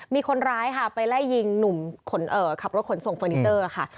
มีคนร้ายค่ะไปไล่ยิงหนุ่มขับรถขนส่งเฟอร์นิเจอร์ค่ะ